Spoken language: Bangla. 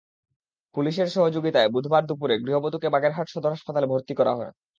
পুলিশের সহযোগিতায় বুধবার দুপুরে গৃহবধূকে বাগেরহাট সদর হাসপাতালে ভর্তি করা হয়।